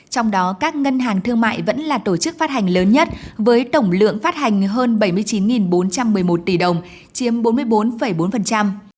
trong đó các ngân hàng thương mại vẫn là tổ chức phát hành lớn nhất với tổng lượng phát hành hơn bảy mươi chín bốn trăm một mươi một tỷ đồng chiếm bốn mươi bốn bốn